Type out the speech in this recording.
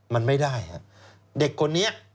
มันไม่ได้ครับเด็กคนนี้